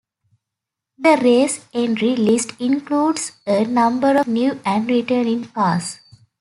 The race entry list includes a number of new and returning cars.